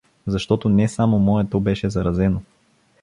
Защото не само моето беше заразено.